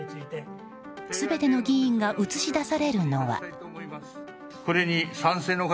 全ての議員が映し出されるのは。